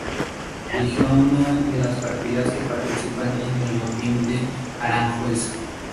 Dirigió una de las partidas que participaron en el motín de Aranjuez.